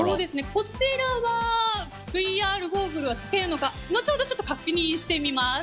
こちらはＶＲゴーグルはつけるのか後ほど確認してみます。